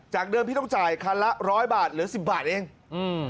เดิมพี่ต้องจ่ายคันละร้อยบาทเหลือสิบบาทเองอืม